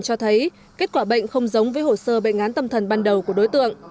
cho thấy kết quả bệnh không giống với hồ sơ bệnh án tâm thần ban đầu của đối tượng